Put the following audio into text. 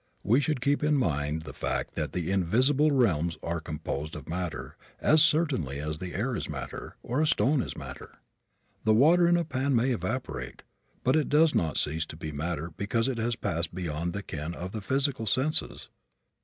We should keep in mind the fact that the invisible realms are composed of matter as certainly as the air is matter, or a stone is matter. The water in a pan may evaporate, but it does not cease to be matter because it has passed beyond the ken of the physical senses.